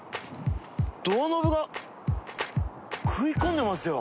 ドアノブが食い込んでますよ。